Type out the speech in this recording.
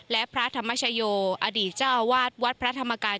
และพระธรรมชโยอดีตเจ้าอาวาสวัดพระธรรมกาย